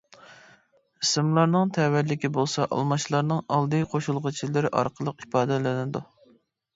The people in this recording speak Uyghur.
ئىسىملارنىڭ تەۋەلىكى بولسا ئالماشلارنىڭ ئالدى قوشۇلغۇچىلىرى ئارقىلىق ئىپادىلىنىدۇ.